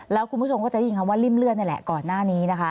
แล้วคุณผู้ชมก็จะได้ยินคำว่าริ่มเลือดนี่แหละก่อนหน้านี้นะคะ